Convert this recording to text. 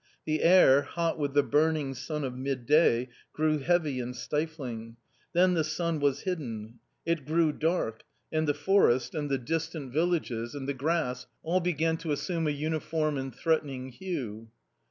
The air, hot with the burning sun of midday, grew heavy and stifling. Then the sun was hidden. It grew dark. And the forest, and the distant 236 A COMMON STORY villages, and the grass all began to assume a uniform and threatening hue.